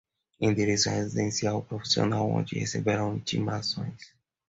endereço residencial ou profissional onde receberão intimações